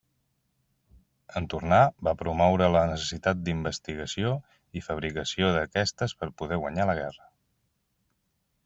En tornar, va promoure la necessitat d’investigació i fabricació d’aquestes per poder guanyar la guerra.